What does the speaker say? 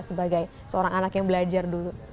sebagai seorang anak yang belajar dulu